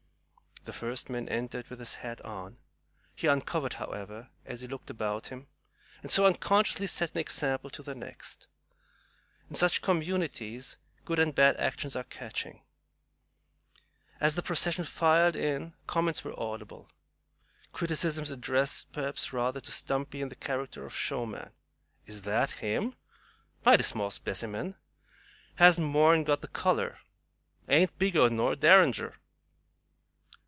The first man entered with his hat on; he uncovered, however, as he looked about him, and so unconsciously set an example to the next. In such communities good and bad actions are catching. As the procession filed in comments were audible, criticisms addressed perhaps rather to Stumpy in the character of showman; "Is that him?" "Mighty small specimen;" "Has n't more 'n got the color;" "Ain't bigger nor a derringer."